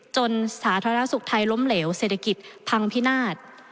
สาธารณสุขไทยล้มเหลวเศรษฐกิจพังพินาศ